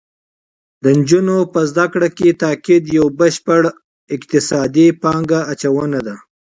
د نجونو په زده کړه تاکید یو بشپړ اقتصادي پانګه اچونه ده